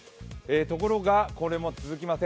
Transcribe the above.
ところが、これも続きません。